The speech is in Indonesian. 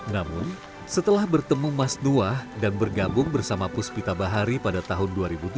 namun setelah bertemu mas nuah dan bergabung bersama puspita bahari pada tahun dua ribu tujuh